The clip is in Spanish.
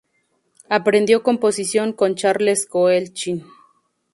Aprendió composición con Charles Koechlin.